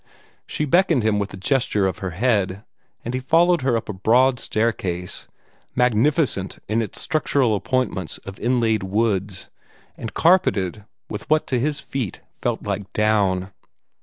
She beckoned him with a gesture of her head, and he followed her up a broad staircase, magnificent in its structural appointments of inlaid woods, and carpeted with what to his feet felt like down.